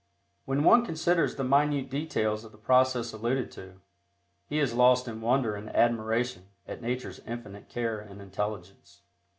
When one considers the minute details of the process alluded to, he is lost in wonder and admiration at Nature's infinite care and intelligence.